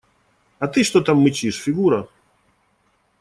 А ты что там мычишь, Фигура?